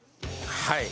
はい。